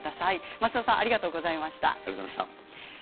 増田さんありがとうございました。